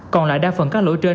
còn lại đa phần các lỗ trên